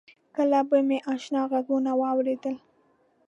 کله به مې آشنا غږونه واورېدل.